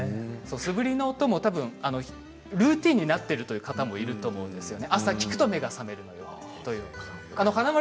素振りの音もルーティーンになっている方もいると思うんですね